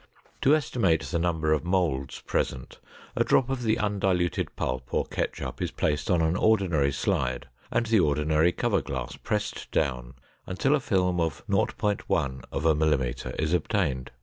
To estimate the number of molds present, a drop of the undiluted pulp or ketchup is placed on an ordinary slide and the ordinary cover glass pressed down until a film of 0.1 mm is obtained.